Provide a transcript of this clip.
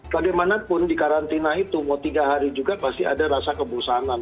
bagaimanapun di karantina itu mau tiga hari juga pasti ada rasa kebosanan